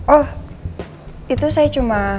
oh itu saya cuma